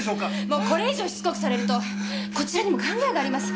もうこれ以上しつこくされるとこちらにも考えがあります。